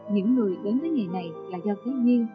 những người đến với ngày này là do thú nhiên